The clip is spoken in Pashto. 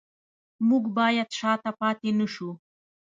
موږ باید شاته پاتې نشو